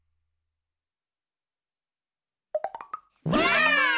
ばあっ！